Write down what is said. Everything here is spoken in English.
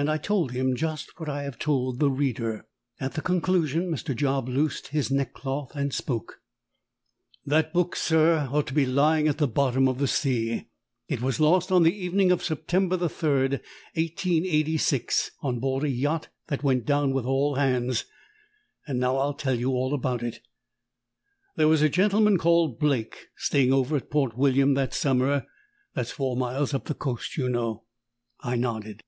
And I told him just what I have told the reader. At the conclusion, Mr. Job loosed his neckcloth and spoke "That book, sir, ought to be lyin' at the bottom of the sea. It was lost on the evening of September the 3rd, 1886, on board a yacht that went down with all hands. Now I'll tell you all about it. There was a gentleman called Blake staying over at Port William that summer that's four miles up the coast, you know." I nodded.